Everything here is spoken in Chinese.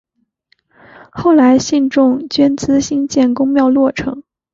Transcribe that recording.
后来信众捐资兴建宫庙落成。